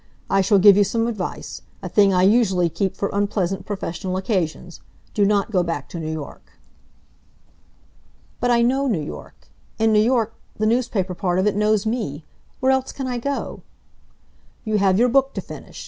I shall give you some advice a thing I usually keep for unpleasant professional occasions. Do not go back to New York." "But I know New York. And New York the newspaper part of it knows me. Where else can I go?" "You have your book to finish.